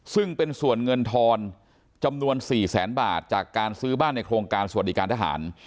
ซึ่งเป็นส่วนเงินทอนจำนวน๔แสนบาทจากการซื้อบ้านในโครงการสวัสดิการทหาร